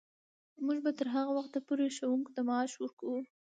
موږ به تر هغه وخته پورې ښوونکو ته معاش ورکوو.